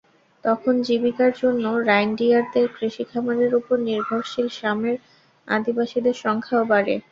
তখন জীবিকার জন্য রাইনডিয়ারদের কৃষিখামারের ওপর নির্ভরশীল সামের আদিবাসীদের সংখ্যাও বাড়ে।